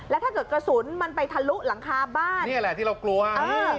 แล้วถ้าเกิดกระสุนมันไปทะลุหลังคาบ้านนี่แหละที่เรากลัวเออ